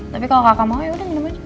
tapi kalau kakak mau yaudah udah